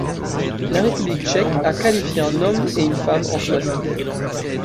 La République tchèque a qualifié un homme et une femme en saut à ski.